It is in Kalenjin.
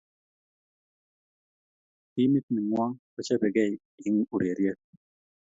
timit nenguong kochapekei eng ureriet